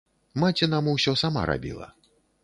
Маці нам усё сама рабіла.